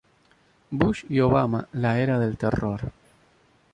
Bush y Obama: la era del terror.